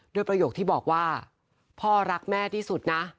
ประโยคที่บอกว่าพ่อรักแม่ที่สุดนะ